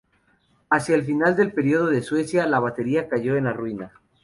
Hacia el final del período de Suecia, la batería cayó en la ruina.